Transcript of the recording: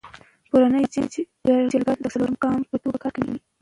کورنی جرګه د څلورم ګام په توګه کار کوي.